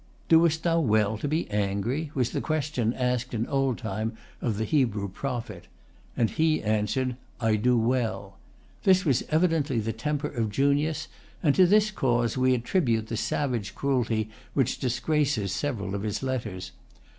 "Doest thou well to be angry?" was the question asked in old time of the Hebrew prophet. And he answered, "I do well." This was evidently the temper of Junius; and to this cause we attribute the savage cruelty which disgraces several of his letters.